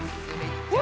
うわ。